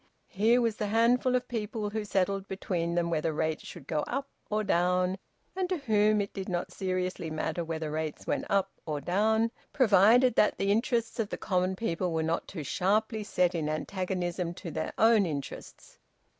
Here was the handful of people who settled between them whether rates should go up or down, and to whom it did not seriously matter whether rates went up or down, provided that the interests of the common people were not too sharply set in antagonism to their own interests.